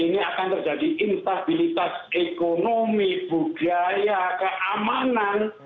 ini akan terjadi instabilitas ekonomi budaya keamanan